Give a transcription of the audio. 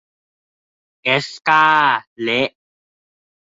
เอสก้า เละ